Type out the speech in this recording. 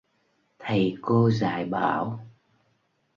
Thầy cô dạy bảo